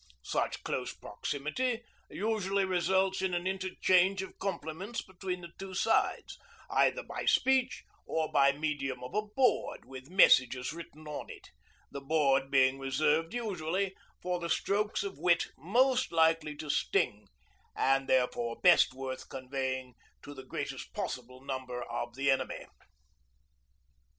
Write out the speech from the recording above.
Such close proximity usually results in an interchange of compliments between the two sides, either by speech, or by medium of a board with messages written on it the board being reserved usually for the strokes of wit most likely to sting, and therefore best worth conveying to the greatest possible number of the enemy.